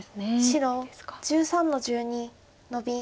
白１３の十二ノビ。